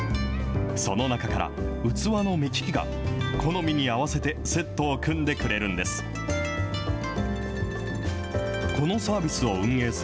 その中から器の目利きが、好みに合わせてセットを組んでくれるんです。